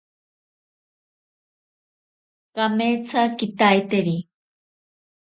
Kametsa kitaiteri.